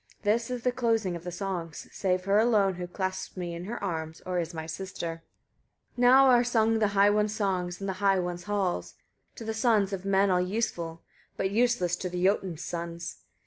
This is the closing of the songs) save her alone who clasps me in her arms, or is my sister. 166. Now are sung the High one's songs, in the High one's hall, to the sons of men all useful, but useless to the Jotuns' sons.